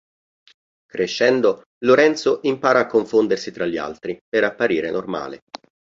Crescendo Lorenzo impara a confondersi tra gli altri per apparire normale.